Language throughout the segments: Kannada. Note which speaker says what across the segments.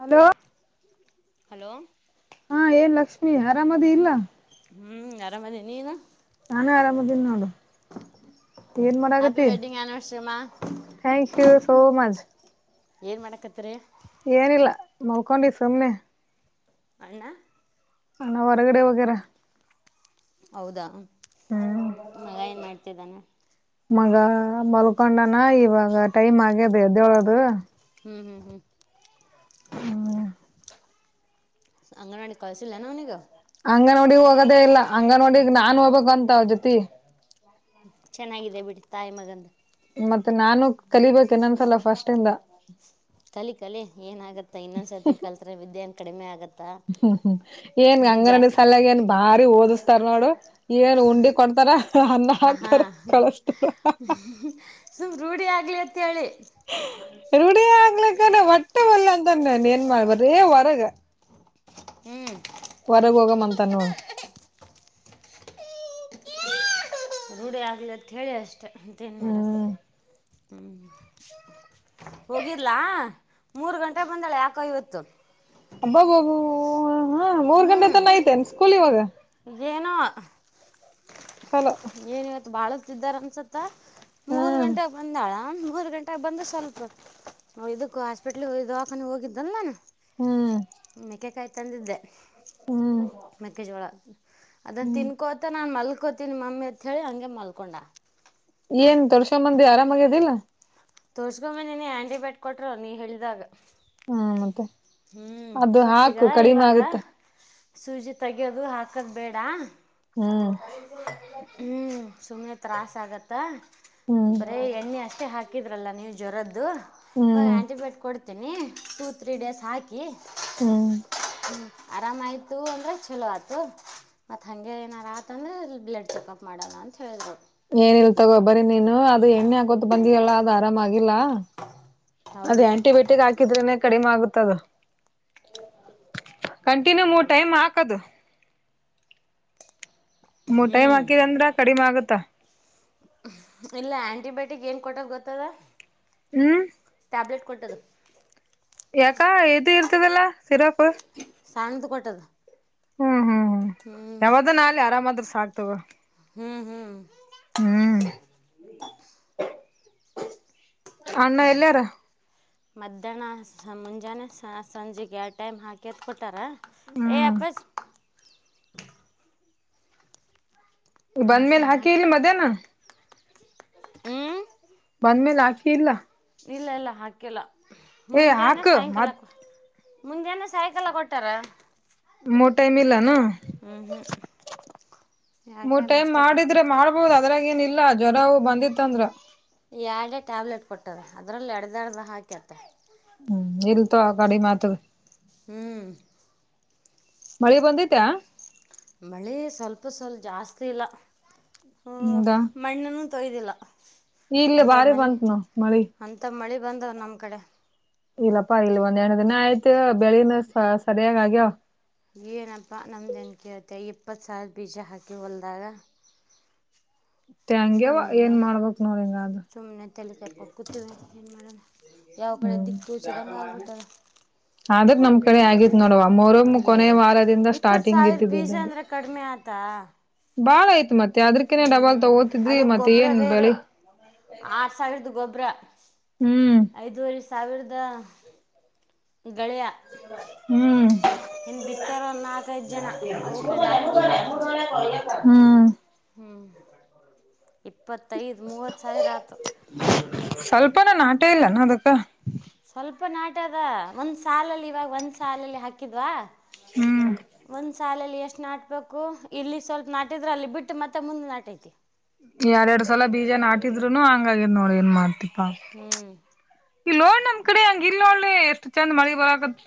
Speaker 1: ಹಲೋ
Speaker 2: ಹಲೋ
Speaker 1: ಹಾ ಏನ್ ಲಕ್ಷ್ಮಿ ಆರಾಮದಿ ಇಲ್ಲ
Speaker 2: ಹ್ಮ್ ಆರಾಮದಿನಿ ನೀನು
Speaker 1: ನಾನು ಆರಾಮದೀನಿ ನೋಡು ಏನ್
Speaker 2: ಹ್ಯಾಪಿ
Speaker 1: ಮಾಡಕತ್ತಿ
Speaker 2: ವೆಡ್ಡಿಂಗ್ ಆ್ಯನಿವರ್ಸರಿಮಾ
Speaker 1: ಥ್ಯಾಂಕ್ ಯು ಸೋ ಮಚ್
Speaker 2: ಏನ್ ಮಾಡಕತ್ತ ರೀ
Speaker 1: ಏನಿಲ್ಲ ಮಲ್ಕೊಂಡಿನಿ ಸುಮ್ನೆ
Speaker 2: ಅಣ್ಣ
Speaker 1: ಅಣ್ಣ ಹೊರಗಡೆ ಹೋಗ್ಯಾರ
Speaker 2: ಹೌದಾ
Speaker 1: ಹ್ಮ್
Speaker 2: ಮಗ ಏನ್ ಮಾಡ್ತಿದ್ದಾನೆ
Speaker 1: ಮಗ ಮಲ್ಕೊಂಡನ ಇವಾಗ ಟೈಮ್ ಆಗ್ಯದ ಎದ್ದೇಳೋದು
Speaker 2: ಹ್ಮ್ ಹ್ಮ್ ಹ್ಮ್
Speaker 1: ಹ್ಮ್
Speaker 2: ಅಂಗನವಾಡಿ ಕಳಸಿಲ್ಲ ಅನು ಅವನಿಗೆ
Speaker 1: ಅಂಗನವಾಡಿ ಹೋಗೋದೇ ಇಲ್ಲ ಅಂಗನವಾಡಿಗೆ ನಾನ್ ಹೋಗ್ಬೇಕ ಅಂತ ಅವನ ಜೊತಿ
Speaker 2: ಚೆನ್ನಾಗಿದೆ ಬಿಟ್ಟ ತಾಯಿ ಮಗಂದು
Speaker 1: ಮತ್ತೆ ನಾನು ಕಲಿಬೇಕು ಇನ್ನಂದಸಲ ಫಸ್ಟ್ ಇಂದ
Speaker 2: ಕಲಿ ಕಲಿ ಏನಾಗತ್ತಾ ಇನ್ನೊಂದ್ಸರ್ತಿ ಕಲ್ತ್ ವಿದ್ಯಾನ್ ಕಡಿಮೆ ಆಗತ್ತ
Speaker 1: ಹ್ಮ್ ಹ್ಮ್ ಏನ್ ಅಂಗನಡಿ ಸಲಯಾಗ ಏನ್ ಬಾರಿ ಓದಿಸ್ತಾರ ನೋಡು ಏನ್ ಉಂಡಿ ಕೊಡ್ತಾರ ಅನ್ನ
Speaker 2: ಹ ಹಾ
Speaker 1: ಹಾಕ್ತಾರ ಕಳಸ್ತರ
Speaker 2: ಸುಮ್ ರೂಢಿ ಆಗ್ಲಿ ಅಂತೇಳಿ
Speaker 1: ರೂಢಿಆಗ್ಲಿಕ್ಕ ಒಟ್ಟೆ ಒಲ್ಲೆ ಅಂತನಾ ನಾ ಏನ್ ಮಾಡ್ಲಿ ಬರೇ ಹೊರಗ
Speaker 2: ಹ್ಮ
Speaker 1: ಹೊರಗ ಹೋಗ್ಮು ಅಂತನಾ ನೋಡು
Speaker 2: ರೂಢಿ ಆಗ್ಲಿ ಅಂತ ಹೇಳಿ ಅಷ್ಟೆ ಮತ್ತೇನು ಮಾಡದು
Speaker 1: ಹ್ಮ್
Speaker 2: ಹ್ಮ ಹೋಗಿರ್ಲಾ ಮೂರ್ ಗಂಟೆ ಬಂದಾಳೆ ಯಾಕೋ ಇವತ್ತು
Speaker 1: ಅಬೋಬೋ ಬೊ ಹಾ ಮೂರ್ ಗಂಟೆ
Speaker 2: ಹ್ಮ್
Speaker 1: ತನ ಐತೆೇನ್ ಸ್ಕೂಲ್ ಇವಾಗ
Speaker 2: ಏನೋ
Speaker 1: ಚಲೋ
Speaker 2: ಏನ ಇವತ್ತು ಬಾಳತ್ತ ಇದ್ದಾರಾ ಅನ್ಸತ್ತ ಮೂರ್
Speaker 1: ಹ್ಮ್
Speaker 2: ಗಂಟೆಗೆ ಬಂದಾಳ ಅವಂ ಮೂರು ಗಂಟೆಗೆ ಬಂದು ಸ್ವಲ್ಪ ಇದಕ್ಕ ಹಾಸ್ಪೆಟ್ಲಿಗೆ ದಾವಾಖಾನಿಗೆ ಹೋಗಿದ್ದಲ್ಲ ನಾನು
Speaker 1: ಹ್ಮ್
Speaker 2: ಮೆಕೆಕಾಯಿ ತಂದಿದ್ದೆ
Speaker 1: ಹ್ಮ್
Speaker 2: ಮೆಕ್ಕೇಜ್ ಒಳ ಅದನ್ನು
Speaker 1: ಹ್ಮ್
Speaker 2: ತಿನ್ಕೋತ ನಾನು ಮಲ್ಕೋತೀನಿ ಮಮ್ಮಿ ಅಂತ ಹೇಳಿ ಹಂಗೆ ಮಲ್ಕೊಂಡ
Speaker 1: ಏನ್ ತೊಳ್ಸೋ ಮಂದಿ ಆರಾಮ ಆಾಗ್ಯದಿಲ್ಲಾ
Speaker 2: ತೋರ್ಸ್ಕೊಂಬೆ ನೀನ ಆ್ಯಂಟಿಬಯೋಟ್ಕ್ ಕೊಟರು ನೀ ಹೇಳಿದಾಗ
Speaker 1: ಹ್ಮ್ ಮತ್ತೆ
Speaker 2: ಹ್ಮ್
Speaker 1: ಅದು
Speaker 2: ಫಸ್ಟ್ ಈಗ
Speaker 1: ಹಾಕು ಕಡಿಮೆ
Speaker 2: ಇವಾಗ
Speaker 1: ಆಗುತ್ತ
Speaker 2: ಸೂಜಿ ತೆಗಯೋದು ಹಾಕೋಕ್ ಬೇಡ
Speaker 1: ಹ್ಮ
Speaker 2: ಹ್ಮ್ ಸುಮ್ಮ್ನೆ ತ್ರಾಸ ಆಗತ್ತಾ
Speaker 1: ಹ್ಮ್
Speaker 2: ಬರೀ ಎಣ್ಣೆ ಅಷ್ಟೇ ಹಾಕಿ ಹಾಕಿದ್ರಲ್ಲ ನೀವು ಜ್ವರದ್ದು ಇವಾಗ
Speaker 1: ಹ್ಮ್
Speaker 2: ಆ್ಯಂಟಿಬಯೋಟಿಕ್ ಕೊಡ್ತೀನಿ ಟೂ ತ್ರೀ ಡೇಸ್ ಹಾಕಿ
Speaker 1: ಹ್ಮ್
Speaker 2: ಹ್ಮ್ ಆರಾಮಯ್ತು ಅಂದ್ರೆ ಚಲೋ ಆತು ಮತ್ತ ಹಂೆ ಏನಾರ ಆತಂದ್ರೆ ಅಲ್ಲಿ ಬ್ಲಡ್ ಚೆಕಪ್ ಮಾಡೋಣ ಅಂತ ಹೇಳಿದರು
Speaker 1: ಏನಿಲ್ ತಗೊಬರರಿ ನೀನು ಅದು ಎಣ್ಣೆ ಆಕೋತ ಬಂದಿ ಅಲ್ಲ ಅದು ಆರಾಮಾಗಿಿಲ್ಲ ಅದೇ
Speaker 2: ಹೌದು
Speaker 1: ಆಂಟಿಬಯೋಟಿಕ್ ಹಾಕಿದ್ರೆನೆ ಕಡಿಮೆ ಆಗುತ್ತೆ ಕಂಟಿನ್ಯೂ ಮೂರು ಟೈಮ್ ಹಾಕದು ಮಟೈ
Speaker 2: ಹ್ಞೂ
Speaker 1: ಹಾಕಿದಿದೆ ಅಂದ್ರ ಕಡಿಮೆ ಆಗುತ್ತಾ
Speaker 2: ಇಲ್ಲ ಆ್ಯಂಟಿಬಯೋಟಿಕ್ ಏನ್ ಕೊಟ್ಟೋಕ್ ಗೊತ್ತದ
Speaker 1: ಹ್ಮ್
Speaker 2: ಟ್ಯಾಬ್ಲೆಟ್ ಕೊಟ್ಟದದು
Speaker 1: ಏಕ್ಕಾ ಎದು ಇತದೆಲ್ಲ ಸರಪ್ಪ
Speaker 2: ಸಣ್ಣ್ದ ಕೊಟ್ಟದ
Speaker 1: ಹ್ಮ್ ಹ್ಮ್ ಹ್ಮ್ ಯಾವ್ದ ನ ಅಾಲಲಿ ಆರಾಮಾದ್ರೂ ಸಾಕ್ತವ
Speaker 2: ಹ್ಮ್ ಹ್ಮ್
Speaker 1: ಹ್ಮ್ ಅಣ್ಣ ಎಲ್ಲಯಾರ
Speaker 2: ಮಧ್ಯಾಹ್ನ ಮುಂಜಾನೆ ಸಂಜೆಗೆ ಎರಡು ಟೈಮ್ ಹಾಕಿ ಕೆತ್ ಕೊಟ್ಟಾರಾ ಏ
Speaker 1: ಹ್ಮ್
Speaker 2: ಅಪ್ಪಸ್ ಎರಡು
Speaker 1: ಬಂದ್ಮೇಲೆ
Speaker 2: ಟೈಮ್
Speaker 1: ಹಾಕಿ ಇಲ್ಲಿ ಮಧಹ್ನ
Speaker 2: ಹ್ಮ್
Speaker 1: ಬಂದ್ಮೇಲೆ ಹಾಕಿ ಇಲ್ಲ
Speaker 2: ಇಲ್ಲ ಇಲ್ಲ ಹಾಕಿಲ್ಲ
Speaker 1: ಏ
Speaker 2: ಮುಂಜಾನೆ
Speaker 1: ಹಾಕ್ ಮತ್
Speaker 2: ಸಾಯಂಕಾಲಕ್ಕೆ ಮುಂಜಾನೆ ಸಾಯಂಕಾಲ ಕೊಟ್ಟಾರ
Speaker 1: ಮೂರು ಟೈಮ್ ಇಲ್ಲಾನ
Speaker 2: ಹ್ಞೂ ಹ್ಞೂ ಎರಡು
Speaker 1: ಮೂರು ಟೈಮ್
Speaker 2: ಅಷ್ಟೇ ಕೊಟ್ಟ
Speaker 1: ಮಾಡಿದ್ರೆ ಮಾಡ ಹೌದ್ ಅದ್ರಾಗ ಏನಿಲ್ಲಾ ಜ್ವರವವು ಬಂದಿತ್ತ ಅಂದ್ರ
Speaker 2: ಎರಡೇ ಟ್ಯಾಬ್ಲೆಟ್ ಕೊಟ್ಟದ ಅದ್ರಲ್ಲಿ ಅರ್ಧ ಅರ್ಧ ಹಾಕ್ಯತ್ತ
Speaker 1: ಇಲ್ ತೋ ಕಡಿಮೆಯಾಗುತ್ತದ
Speaker 2: ಹ್ಮ್
Speaker 1: ಮಳಿ ಬಂದೈತಾ
Speaker 2: ಮಳೆ ಸ್ವಲ್ಪ ಸ್ವಲ್ಪ ಜಾಸ್ತಿ ಇಲ್ಲ ಹ ಮಣ್ಣನ್ನು ತೊಯ್ದಿಲ್ಲಾ
Speaker 1: ಇಲ್ಲೇ ಬಾರಿ ಬಂತ್ ನೋಡ ಮಳಿ
Speaker 2: ಅಂಥ ಮಳೆ ಬಂದವ ನಮ್ಮ ಕಡೆ
Speaker 1: ಇಲ್ಲಪ್ಪಾ ಇಲ್ಲಿ ಒಂದ್ ಎಂಟ ದಿನ ಆಯ್ತ ಬೆಳಿನ ಸರಿಯಾಗಿ ಆಗ್ಯಾವ
Speaker 2: ಏನಪ್ಪ ನಮ್ದುನ ಕೇಳತ್ತೆ ಇಪ್ಪತ್ತು ಸಾವಿರ ಬೀಜ ಹಾಕಿ ಹೊಲ್ದಾಗ
Speaker 1: ತಂಗ್ಯವ್ವ ಏನ್
Speaker 2: ಸುಮ್ಮನೆ
Speaker 1: ಮಾಡಬೇಕು ನೋಡು ಹಿಂಗಾದರ
Speaker 2: ಸುಮ್ಮನೆ ತಲೆ ಕೆರ್ ಕೊಟ್ಟು ಕೂತೀವಿ ಏನು ಮಾಡೋಣ ಯಾವ ಕಡೆ
Speaker 1: ಹ್ಮ್
Speaker 2: ದಿಕ್ಕುಚಿದಂಗೆ ಆಗಬಿಟ್ಟಾರ
Speaker 1: ಆದ್ರ ನಮ್ ಕಡೆ ಆಗಿತ್ ನೋಡವ ಮೊಹರ ಕೊನೆ ವಾರದಿಂದ ಸ್ಟಾರ್ಟಿಂಗ್ ಇದ್ದಿದ್
Speaker 2: ಜನರ ಅಂದ್ರೆ ಕಡಿಮೆ ಆತಾ
Speaker 1: ಬಾಳ ಆಯ್ತು ಮತ್ತೆ ಅದ್ರಕನೆೇ
Speaker 2: ಹ್ಞೂ
Speaker 1: ಡಬಲ್ ತಗೋತಿದ್ರಿ ಮತ್ತೆ ಏನ್ ಬೆಳಿ
Speaker 2: ಆರ್ ಸಾವಿರದ ಗೊಬ್ಬರ
Speaker 1: ಹ್ಮ್
Speaker 2: ಐದುವರೆ ಸಾವಿರದ ಗಳೆ
Speaker 1: ಹ್ಮ್
Speaker 2: ಬಿತ್ತರೋ ನಾಲ್ಕೈದು ಜನ ಅವಕ್ಕೆ ನಾಲ್ಕುನೂರು
Speaker 1: [unintelligible] ಹ್ಮ್
Speaker 2: ಹ್ಮ್ ಇಪ್ಪತ್ತೈದ ಮೂವತ್ ಸಾವಿರ ಆಯ್ತು
Speaker 1: ಸ್ವಲ್ಪನ್ ನಾಟೆ ಇಲ್ಲ ನ ಅದಕ್ಕ
Speaker 2: ಸ್ವಲ್ಪ ನಾಟೇ ಅದ ಒಂದು ಸಾಲಲ್ಲಿ ಇವಾಗ ಒಂದು ಸಾಲಲ್ಲಿ ಹಾಕಿದ್ವಾ
Speaker 1: ಹ್ಮ್
Speaker 2: ಒಂದ್ಸ ಸಾಲಲ್ಲಿ ಎಷ್ಟು ನಾಟಬೇಕು ಇಲ್ಲಿ ಸ್ವಲ್ಪ ನಾಟಿದ್ರರೆ ಅಲ್ಲಿ ಬಿಟ್ಟು ಮತ್ತೆ ಮುಂದೆ ನಾಟೈತಿ
Speaker 1: ಎಎರಡ್ ಸಲ ಬೀಜ ನಾಟಿದ್ರುನು ಹಂಗಾಗದ್ ನೋಡ ಏನ್ ಮಾಡ್ತಿ
Speaker 2: ಹ್ಞೂ
Speaker 1: ಇಲ್ಲೋ ನಮ್ ಕಡೆ ಹಂಗ ಇಲ್ಲ ನೋಡ್ಲೆ ಎಷ್ಟು ಚಂದ್ ಮಳೆ ಬರಕತ್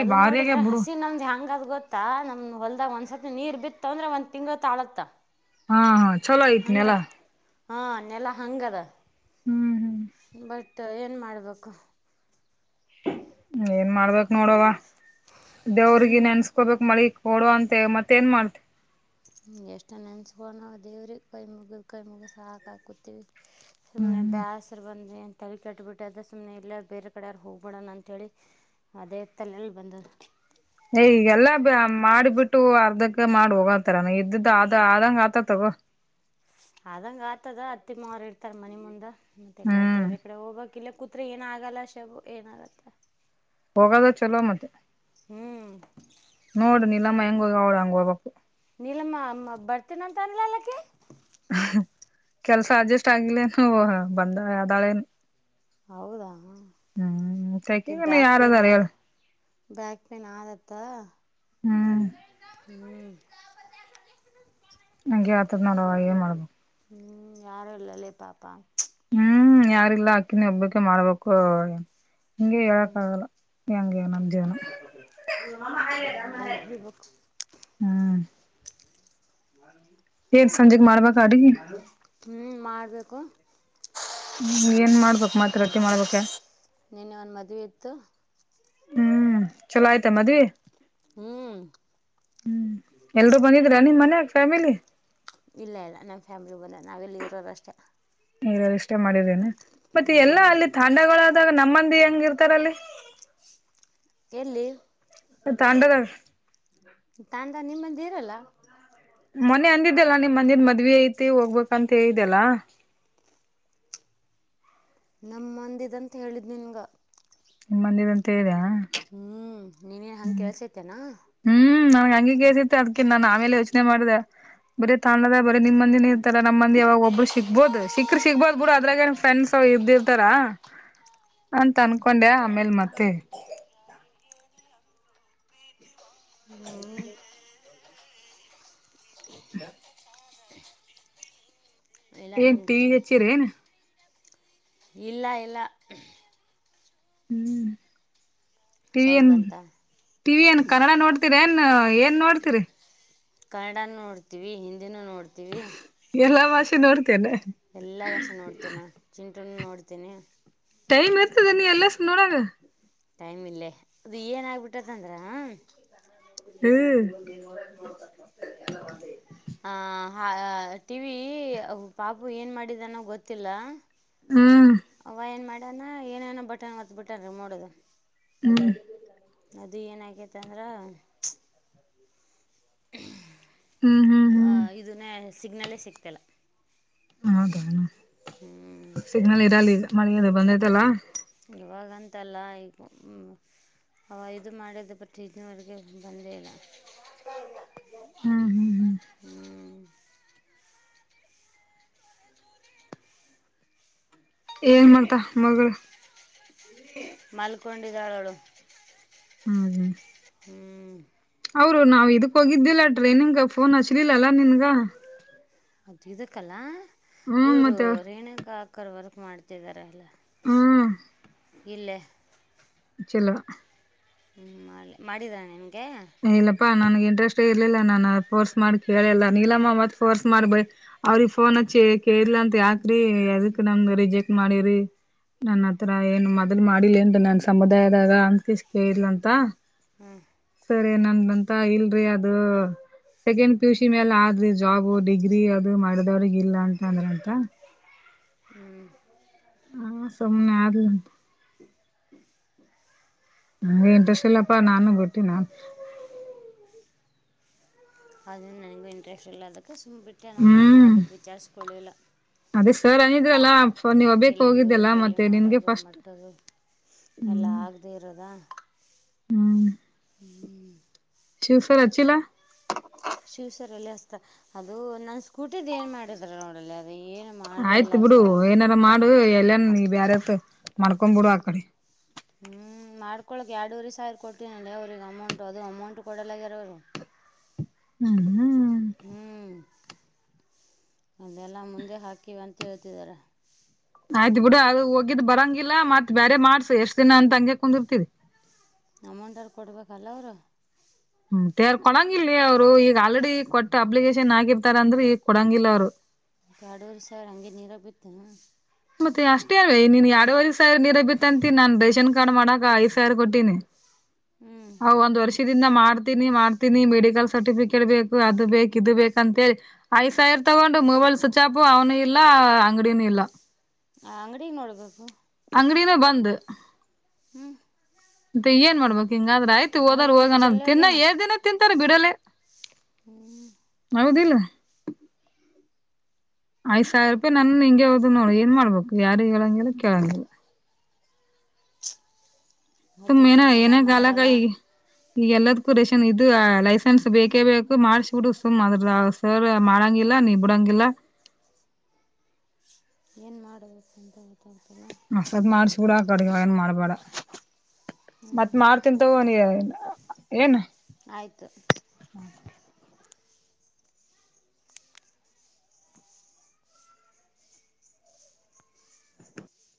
Speaker 2: ಅದು ನೋಡಿದ್ರೆ ಹಸಿ ನಮ್ದ್ ಹೆಂಗ ಅದ್ ಗೊತ್ತಾ ನಮ್ ಹೊಲ್ದ ಒಂದ್ಸತಿ ನೀರ್ ಬಿತ್ತ ಅಂದ್ರೆ ಒಂದ್ ತಿಂಗಳು ತಾಳತ್ತ
Speaker 1: ಹಾ ಹಾ ಚಲೋ ಐತೆ ನೆಲಾ
Speaker 2: ಹಾ ನೆಲ ಹಂಗದ
Speaker 1: ಹ್ಮ್ ಹ್ಮ್
Speaker 2: ಬಟ್ ಏನ್ ಮಾಡ್ಬೇಕು
Speaker 1: ಏನ್ ಮಾಡ್ಬೇಕ್ ನೋಡವ
Speaker 2: ಹ್ಞೂ
Speaker 1: ದೇವ್ರಿಗೆ ನೆನ್ಸ್ಕೊಬೇಕ್ ಮಳಿಗೆ ಕೋಡುವ ಅಂತೆ ಮತ್ತ ಎನ್ ಮಾಡ್ತೆ
Speaker 2: ಎಷ್ಟ ನೆನ್ಸ್ಕೊಂಡ ನಾವು ದೇವ್ರಿಗೆ ಕೈ ಮುಗಿದ್ ಕೈ ಮುಗುದ್ ಸಾಕಾಗಿ ಕುತೀವಿ ಸುಮ್ಮುನೆ
Speaker 1: ಹ್ಮ್
Speaker 2: ಬ್ಯಾಸರ್ ಬಂದ ತಲೆ ಕೆಟ್ ಬಿಟ್ಟದೆ ಸುಮ್ಮನೆ ಇಲ್ಲ ಬೇರೆ ಕಡೆರ ಹೋಗ್ಬೇಡಣ ಅಂತಥೇಳಿ ಅದೇ ತಲೆಲ್ಲಿ ಬಂದದ
Speaker 1: ಏ ಈಗೆಲ್ಲಾ ಮಾಡಿ ಬಿಟ್ಟು ಅರ್ಧಕ್ಕೆ ಮಾಡಿ ಹೋಗೋಂತರ ಇದ್ದದ್ದು ಆದ ಆದಂಗ ಆತದ್ ತಗೋ
Speaker 2: ಆದದಂಗ ಆತದ ಅತ್ತಿಮ್ಮವರು ಇರ್ತಾರ್ ಮನೆ ಮುಂದ ಮತ್ತೆ ಎಲ್ಲಾರ
Speaker 1: ಹ್ಮ್
Speaker 2: ಬೇರೆ ಕಡೆ ಹೋಗ್ಬೇಕ ಇಲ್ಲೆ ಕೂತ್ರೆ ಏನಾಗಲ್ಲ ಶಬ ಏನಾಗತ್ತ
Speaker 1: ಹೋಗದ ಚಲೋ ಮತ್ತೆ
Speaker 2: ಹ್ಮ್
Speaker 1: ನೋಡು ನಿಲಮ್ಮ ಹೆಂಗ ಹೋಗ ಅವಳ ಹಂಗ ಹೋಗ್ಬೇಕು
Speaker 2: ನೀಲಮ್ಮ ಬರ್ತೀನಂತ ಅನ್ಲ್ಲ ಅಕಿ
Speaker 1: ಕೆಲ್ಸ ಅಡ್ಜಸ್ಟ್ ಆಗಿಲ್ಲೇನು ಬಂದ ಅದಾಳೆ
Speaker 2: ಹೌದಾ
Speaker 1: ಹ್ಮ್
Speaker 2: ಆಕಿ
Speaker 1: ಸಕೀಗನು
Speaker 2: ಬ್ಯಾಕ್ ಪೇನ್
Speaker 1: ಯಾರದಾರ ಹೇಳ
Speaker 2: ಆದ ಬ್ಯಾಕ್ ಪೇನ್ ಆದತ್ತಾ
Speaker 1: ಹ್ಮ್
Speaker 2: ಹ್ಞ
Speaker 1: ಹಂಗೆ ಆತದ್ ನೋಡವ್ವ ಏನ್ ಮಾಡೋದು
Speaker 2: ಹ್ಮ್ ಯಾರು ಇಲ್ಲಲ್ಲ ಪಾಪಾ
Speaker 1: ಹ್ಮ್ ಯಾರಿಲ್ಲ ಅಕ್ಕಿನಿ ಒಬ್ಬಕ ಮಾಡ್ಬೇಕು ಏ ಹಿಂಗೆ ಹೇಳಕ್ ಆಗಲ್ಲ ಎಂಗ್ಯಾನ ಅಂಜಾನ
Speaker 2: ಏನ್ ಹೇಳ್ಬೇಕು
Speaker 1: ಏಗ್ ಸಂಜೆ ಮಾಡ್ಬೇಕು ಕಡಗ
Speaker 2: ಹ್ಞೂ ಮಾಡಬೇಕು
Speaker 1: ಹ್ಮ್ ಏನ್ ಮಾಡ್ಬೇಕಕ್ ಮತ್ ರೊಟ್ಟಿ ಮಾಡ್ಬೇಕ
Speaker 2: ನಿನ್ನ ಒಂದು ಮದುವಿ ಇತ್ತು
Speaker 1: ಹ್ಮ್ ಚಲೋ ಆಯ್ತಾ ಮದ್ವಿ
Speaker 2: ಹ್ಮ್
Speaker 1: ಹ್ಮ್ ಎಲ್ರೂ ಬಂದಿದ್ರಾ ನಿಮ್ ಮನ್ಯಾಗ ಫ್ಯಾಮಿಲಿ
Speaker 2: ಇಲ್ಲ ಇಲ್ಲ ನಮ್ಮ ಫ್ಯಾಮ್ಲಿಗೆ ಬಂದರೆ ನಾವೆಲ್ಲಿ ಇರೋರುಷ್ಟೇ
Speaker 1: ನೀರಲ್ಲಿ ಇಷ್ಟೇ ಮಾಡಿದೀನೆ ಮತ್ ಎಲ್ಲಾ
Speaker 2: ಹ್ಮ್
Speaker 1: ಅಲ್ಲಿ ತಾಂಡಗಳಾದಾಗ ನಮ್ಮಂದಿ ಹೆಂಗ ಇರ್ತಾರ ಅಲ್ಲಿ
Speaker 2: ಎಲ್ಲಿ
Speaker 1: ತಾಂಡದ
Speaker 2: ತಾಂಡ ನಿಮ್ಮಂದ ಇರಲ್ಲ
Speaker 1: ಮೊನೆ ಅಂದಿದ್ದೆಲ್ಲಾ ನಿಮ್ ಮಂದಿದ್ ಮದುವೆ ಐತಿ ಹೋಗ್ಬೇಕಂತ ಹೇಳಿದ್ದಲ್ಲಾ
Speaker 2: ನಮ್ಮ ಮಂದಿದಂತ ಹೇಳಿದ್ ನಿನ್ಗ
Speaker 1: ನಿಮ್ಮಂದಿರ ಅಂತ ಹೇಳಾ
Speaker 2: ಹ್ಮ್ ನೀನೇನ್ ಹಂಗ ಕೆಲ್ಸ ತೇನಾ
Speaker 1: ಹ್ಮ್ ನನ್ಗೆ ಹಂಗಿ ಕೇಸಿತ್ತ ಅದಕಿ ನಾನನ್ ಆಮೇಲೆ ಯೋಚನೆ ಮಾಡಿದೆ ಬರೀ ತಾಣಳಲದ ಬೇ ನಿಮ್ಮ್ಂದಿ ಇರ್ತಾರ ನಮ್ಮಂದಿ ಯಾವಾಗ ಒಬ್ರು ಸಿಗ್ಬೋದು ಸಿಕ್ಕರು ಸಿಗ್ಬೋದು ಬಿಡ ಅದ್ರಾಗ ಫ್ರೆಂಡ್ಸ್ ಅವ ಇದ್ದಿರ್ತಾರ ಅಂತ ಅನ್ಕೊಂಡೆ ಆಮೇಲ್ ಮತ್ತೆ
Speaker 2: ಹ್ಞೂ
Speaker 1: [unintelligible] [inaudible]
Speaker 2: ಇಲ್ಲ
Speaker 1: ಏನ್ ಟಿವಿ
Speaker 2: ನಿಮ್ಮ
Speaker 1: ಹಚ್ಚಿರ ಏನ್
Speaker 2: ಇಲ್ಲ ಇಲ್ಲ
Speaker 1: ಹ್ಮ್ ಟಿ
Speaker 2: ಸೌಂಡ್
Speaker 1: ವನ್
Speaker 2: ಬಂತ
Speaker 1: ಟಿ ಏನ್ ಕನ್ನಡ ನೋಡ್ತಿೀರಿ ಏನ್ ಏನ್ ನೋಡ್ತೀರಿ
Speaker 2: ಕನ್ನಡ ನೋಡ್ತೀವಿ ಹಿಂದಿನೂ ನೋಡ್ತೀವಿ
Speaker 1: ಎಲ್ಲಾ ಮಾಸೆ ನೋಡ್ತೇನೆ
Speaker 2: ಎಲ್ಲಾ ಭಾಷೆ ನೋಡ್ತೇನಿ ನು ಚಿಂಟು ನೋಡ್ತೇನಿ
Speaker 1: ಟೈಮ್ ಇರ್ತದೆ ನೀ ಎಲ್ಲ ನೋಡಾಗ
Speaker 2: ಟೈಮ್ ಇಲ್ಲೇ ಅದು ಏನ್ ಆಗ್ಬಿಟ್ಟತ್ತಂದ್ರ
Speaker 1: ಹ್ಮ್ ೋ
Speaker 2: ಆ ಟಿವ ವಿ ಪಾಪು ಏನ್ ಮಾಡಿದನ್ನೋ ಗೊತ್ತಿಲ್ಲ
Speaker 1: ಹ್ಮ್
Speaker 2: ಅವ ಏನ್ ಮಾಡಣ ಏನೇನೋ ಬಟನ್ ಹೊತ್ ಬಿಟನ್ರಿ ನೋಡುದು
Speaker 1: ಹ್ಮ್
Speaker 2: ನದಿ ಏನಕೈತೆ ಅಂದ್ರೆ ಹ
Speaker 1: ಹ್ಮ್ ಹ್ಮ್ ಹ್ಮ್
Speaker 2: ಇದನ್ನೇ ಸಿಗ್ನಲ್ಲೇ ಸಿಗ್ತಿಲ್ಲ
Speaker 1: ಹೌದ
Speaker 2: ಹ್ಞೂ
Speaker 1: ಸಿಗ್ನಲ್ ಇರಲ್ಲಗ ಮಳಗ ಬಂದೈತಲ್ಲಾ
Speaker 2: ಇವಾಗಂತಲ್ಲ ಈಗ ಅವ ಇದು ಮಾಡೋದು ಬಟ್ ಇದನ್ವರೆಗೆ ಬಂದೇ ಇಲ್ಲ
Speaker 1: ಹ್ಮ್ ಹ್ಮ್ ಹ್ಮ್
Speaker 2: ಹ್ಮ್
Speaker 1: ಏನ್ ಮಾಡ್ತ ಮಗಳು ಹ್ಮ
Speaker 2: ಮಾಲ್ಕೊಂಡಿದ್ದಾಳಳು
Speaker 1: ಹ್ಮ್
Speaker 2: ಹ್ಮ್
Speaker 1: ಅವರು ನಾವ್ ಇದಕ್ ಹೋಗಿದ್ದಿಲ್ಲ ಟ್ರೇ ನಿಂಗ್ಗ ಫೋನ್ ಹಚ್ಲಿಲ್ಲಲ್ಲಾ ನಿನ್ಗ
Speaker 2: ಅದು ಇದಕ್ಕಲ್ಲಾ
Speaker 1: ಹ್ಮ
Speaker 2: ಇವ್ರು
Speaker 1: ಮತ್ತ
Speaker 2: ರೇಣುಕಾಕರ್ ವರ್ಕ್ ಮಾಡ್ತಿದಿದ್ದಾರೆ ಎಲ್ಲ
Speaker 1: ಹ್ಮ್
Speaker 2: ಇಲ್ಲೇ
Speaker 1: ಚಲೋ
Speaker 2: ಹ್ಞೂ ಮಾಡಿ ಮಾಡಿದ ನಿಮಗೆ
Speaker 1: ಇಲ್ಲಪ್ಪಾ ನನ್ಗೆ ಇಂಟ್ರೆಸ್ಟ್ ಇರ್ಲಿಲ್ಲ ನಾನು ಫೋರ್ಸ್ ಮಾಡಿ ಕೇಳಲ್ಲ ನೀಲಮ್ಮ ಮತ್ಫೋರ್ಸ್ ಮಾಡ್ಬೇ ಅವ್ರಿ ಫೋನ್ ಹ ಕೇಳಲ ಅಂತ ಯಾಕ್ರಿ ಅದಕ್ ನಮ್ದ ರಿಜೆಕ್ಟ್ ಮಾಡಿರಿ ನನ್ನ ಹತ್ರ ಏನು ಮೊದ್ಲು ಮಾಡಿಲ್ಲೇಟ ನನ್ ಸಮುದಾಯದಾಗ ಅಂತಿಸ್ಕ ಇಲ ಅಂತ
Speaker 2: ಹ್ಮ್
Speaker 1: ಸರಿ ನನ್ಂತ ಇಲ್ರಿ ಅದು ಸೆಕೆಂಡ್ ಪಿಯುಸಿ ಮೇಲ್ ಆದ್ರಿ ಜಾಬ್ ಡಿಗ್ರಿ ಮೇಲೆ ಮಾಡಿದವರಿಗೆ ಇಲ್ಲ ಅಂತ ಅಂದರಂತೆ
Speaker 2: ಹ್ಮ್
Speaker 1: ಹಾ ಸುಮ್ಮ್ಆದಲಂಟ ಹ ಎಟಸಲ್ಲಪ್ಪಾ ನಾನು ಗಟ್ಟಿ ನಾನ
Speaker 2: ಅದು ನನಗೂ ಇಂಟ್ರೆಸ್ಟ್ ಇಲ್ಲ ಅದಕ್ಕೆ ಸುಮ್ಮ್ ಬಿಟ್ಟೆ ನಾನು ನಾನು
Speaker 1: ಹ್ಮ್
Speaker 2: ಅದಕ್ಕೆ ವಿಚಾರಿಸ್ಕೊಳ್ಳಲಿಲ್ಲ
Speaker 1: ಅದೇ ಸರ್ ಅನಿದ್ರಲ್ಲ ಸೋ ನೀವು
Speaker 2: ಎಲ್ಲಿಂದ
Speaker 1: ಒಬ್ಬಕೋಗಿದ್ಯಲ್ಲ
Speaker 2: ಹೋಗಿ ಎಲ್ಲಿ
Speaker 1: ಮತ್ತೆ ನಿನಗೆ
Speaker 2: ಮಾಡೋದು
Speaker 1: ಫಾಸ್ಟ್
Speaker 2: ಮಟ್ಟೋದು ಎಲ್ಲ ಆಗದೇ
Speaker 1: ಹ್ಮ್
Speaker 2: ಹ್ಮ್
Speaker 1: ಚು ಸರ್ ಅಚಿಲ್ಲಾ
Speaker 2: ಶಿವ್ಸರ್ ಅಲ್ಲಿ ಅಸ್ತ ಅದು ನನ್ ಸ್ಕೂಟಿದ್ ಏನ್ ಮಾಡಿದ್ರ ನೋಡಲ್ಲಿ ಅ ಏನ್
Speaker 1: ಆಯ್ತು ಬಿಡು ಏನಾರ ಮಾಡು ಎಲ್ಲನ್ ಬ್ಯಾರತ್ ಮಾಡ್ಕೊಂಡ್ ಬಿಡು ಆ ಕಡೆ
Speaker 2: ಹ್ಞೂ ಮಾಡ್ಕೊಕ್ಕೆ ಎರಡೂವ ಸಾವಿ ಕೊಡ್ತನಲ್ಲ ಅವ್ರರಿಗೆಗೆ ಅಮೌಂಟ ಅದು ಅಮೌಂಟ್ ಕೊಡಲ್ಲಾಗಿಯರೋ ಅವರು
Speaker 1: ಹ್ಮ್
Speaker 2: ಹ್ಮ್ ಅದೆಲ್ಲಾ ಮುಂದೆ ಹಾಕಿವ ಅಂತ ಹೇಳ್ತಿದಿದ್ದಾರೆ
Speaker 1: ಆಯ್ತು ಬಿಡು ಹೋಗಿದ್ ಬರಂಗಿಲ್ಲ ಮತ್ತ್ ಬೇರೆ ಮಾಡಿಸು ಎಷ್ಟು ದಿನ ಅಂತ ಹೇಳಿ ಹಂಗೆ ಕುಂದುರ್ತಿರಿ
Speaker 2: ಅಮೌಂಟ್ ಅವರು ಕೊಡ್ಬೇಕಲ್ಲ ಅವರು
Speaker 1: ಹ್ಮಾರ್ ಕೊಡಂಗಿಲ್ಲಲ್ ಅವ್ರು ಈಗ ಆಲ್ರೆಡಿ ಕೊಟ್ಟ ಅಪ್ಲಿಕೇಶನ್ ಹಾಗಿರ್ತಾರ ಅಂದ್ರ ಈಗ ಕೊಡಂಗಿಲ್ಲ ಅವ್ರು
Speaker 2: ಎರಡು ವರಿ ಸಾವಿರ ಹಂಗೆ ನೀರ ಬಿತ್ತು
Speaker 1: ಮತ್ತೆ ಅಷ್ಟೇ ಅಲ್ವ ನೀನ್ ಎರಡವಐ ಸಾವಿರ ನೀರ ಬಿತ್ತ ಅಂತಿ ನಾನನ್ ರೇಷನ್ ಕಾರ್ಡ್ ಮಾಡಕ ಐದು ಸಾವಿರ ಕೊಟ್ಟಿನಿ
Speaker 2: ಹ್ಞೂ
Speaker 1: ಹ ಒಂದು ವರ್ಷ ದಿಂದ ಮಾಡ್ತೀನಿ ಮಾಡ್ತೀನಿ ಮೆಡಿಕಲ್ ಸರ್ಟಿಫಿಕೇಟ್ ಬೇಕು ಅದು ಬೇಕು ಇದು ಬೇಕ ಅಂತಿ ಐದ್ ಸಾವಿರ್ ತಗೊಂಡು ಮೊಬೈಲ್ ಸ್ವಿಚ್ ಆಫ್ ಅವ್ನು ಇಲ್ಲ ಅಂಗಡಿನೂ ಇಲ್ಲ
Speaker 2: ಆ ಅಂಗಡಿಗೆ ನೋಡ್ಬೇಕು
Speaker 1: ಅಂಗಡಿನ ಬಂದ
Speaker 2: ಹ್ಮ್
Speaker 1: ದ ಏನ್ ಮಾಡ್ಬೇಕು ಹಿಂಗಾದ್ರ ಆಯ್ತು ಓದಾರ
Speaker 2: ಅಂಗಡಿ
Speaker 1: ಹೋಗಣ
Speaker 2: ಮುಚ್ಚಿ
Speaker 1: ಅನ್ನೋದು
Speaker 2: ಎಲ್ಲ
Speaker 1: ದಿನ
Speaker 2: ಹೋಗ್ಯಾನ
Speaker 1: ಏಳ ದಿನಕ್ ತಿಂತಾರ ಬಿಡಲೆ
Speaker 2: ಹ್ಮಞ
Speaker 1: ಹೌದಿಲ್ಲ. ಐದ್ ಸಾವಿರ ರೂಪಾಯಿ ನನ್ ಹಿಂಗ ಹೋದವ ನೋಡ ಏನ್ ಮಾಡಬೇಕು ಯಾರ ಹೇಳೋಂಗಿಲ್ಲ ಕೇಳಂಗಿಲ್ಲ. ಸುಮ್
Speaker 2: ಹೊಟ್ಟೆ
Speaker 1: ಮಏನ
Speaker 2: ತಿನ್ನಲ್ಲ
Speaker 1: ಏನ
Speaker 2: ಮಾಡಲ್ಲ
Speaker 1: ಗಾಲಕೈ ಈಗ ಎಲ್ಲದಕ್ಕೂ ರೇಷನ್ ಇದು ಲೈಸೆನ್ಸ್ ಬೇಕೇ ಬೇಕು ಮಾಡ್ಸಬಿಡು ಸುಮ್ ಅದರದ ಸರ್ ಮಾಡಂಗಿಲ್ಲ ನೀ ಬಿಡಂಗಿಲ್ಲ
Speaker 2: ಏನ್ ಮಾಡಬೇಕ ಅಂತ ಗೊತ್ತಾಗ್ತಿಲ್ಲ.
Speaker 1: ಮಾಡ್ಸದ ಮಾಡ್ಸ ಬಿಡ ಆಕಡೆ ಏನ್ ಮಾಡ್ಬೇಡ ಮತ್ತ್ ಮಾಡ [unintelligible] ಅಂತ ನ ಏನು
Speaker 2: ಆಯ್ತು.